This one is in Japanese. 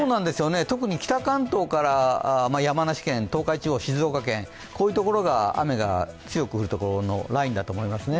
特に北関東から山梨県、東海地方静岡県、こういうところが雨が強く降るラインだと思います。